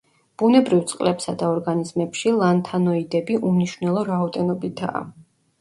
ბუნებრივ წყლებსა და ორგანიზმებში ლანთანოიდები უმნიშვნელო რაოდენობითაა.